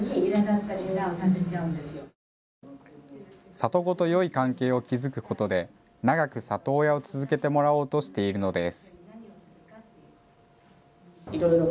里子とよい関係を築くことで長く里親を続けてもらおうとしているのです。